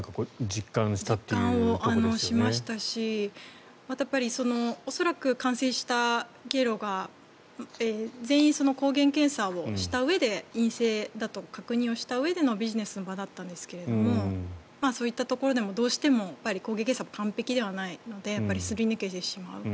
実感をしましたし恐らく感染した経路が全員、抗原検査をしたうえで陰性だということを確認をしたうえでのビジネスの場だったんですがそういったところでもどうしても抗原検査は完璧ではないのですり抜けてしまう。